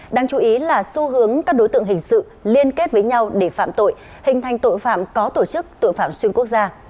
đáng chú ý là xu hướng các đối tượng hình sự liên kết với nhau để phạm tội hình thành tội phạm có tổ chức tội phạm xuyên quốc gia